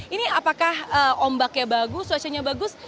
ini apakah ombaknya bagus cuacanya bagus